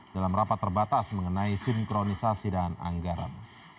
dalam rapat terbatas mengenai sinkronisasi dan anggaran